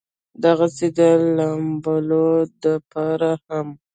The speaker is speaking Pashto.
دغسې د لامبلو د پاره هم